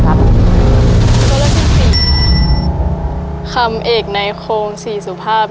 คำเอกในโครงสี่สุภาพ